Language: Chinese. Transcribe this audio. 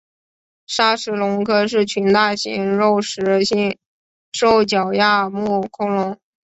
鲨齿龙科是群大型肉食性兽脚亚目恐龙。